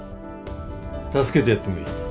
助けてやってもいい。